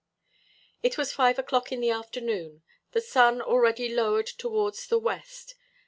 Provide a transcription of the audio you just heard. It was five o'clock in the afternoon. The sun already lowered towards the west.